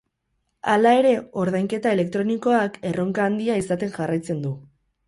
Hala ere, ordainketa elektronikoak erronka handia izaten jarraitzen du.